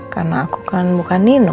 karena aku kan bukan nino